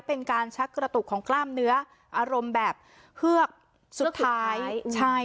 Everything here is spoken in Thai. เป็นการชักกระตุกของกล้ามเนื้ออารมณ์แบบเฮือกสุดท้ายใช่